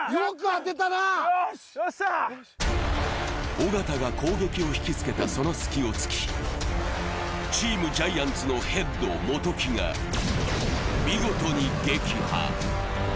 尾形が攻撃を引きつけたその隙を突き、チームジャイアンツのヘッド元木が見事に撃破！